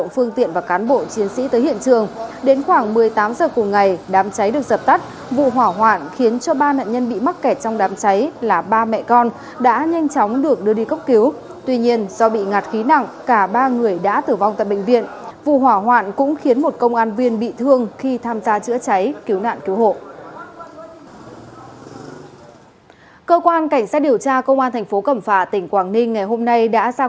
cơ quan cảnh sát điều tra công an thành phố cẩm phà tỉnh quảng ninh ngày hôm nay đã ra quyết định khởi tố vụ án hình sự vi phạm quy định về phòng cháy chữa cháy